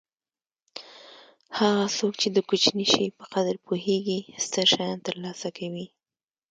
هغه څوک چې د کوچني شي په قدر پوهېږي ستر شیان ترلاسه کوي.